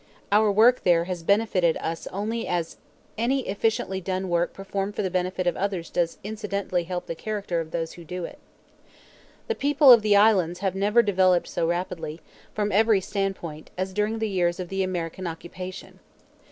Our work there has benefited us only as any efficiently done work performed for the benefit of others does incidentally help the character of those who do it. The people of the islands have never developed so rapidly, from every standpoint, as during the years of the American occupation.